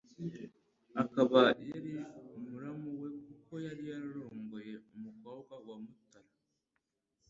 akaba yari muramu we kuko yari yararongoye umukobwa wa Mutara